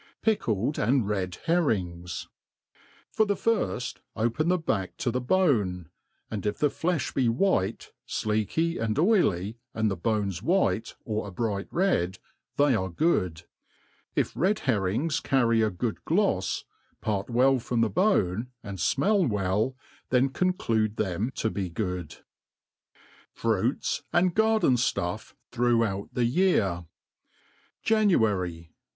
Pickled and Rid Herrings. For the firft, open the back to the bone, and if the flefh be white, fleaky and oily, and the bone white, or a bright red, they are good. If red herrings carry a good glofs, part well from the bone, and fmell well, then conclude them to be good, FRUITS and GARDEN STUFF throughout the Year. January.